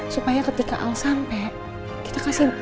supaya ketika al sampai